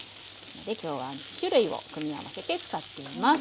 今日は２種類を組み合わせて使っています。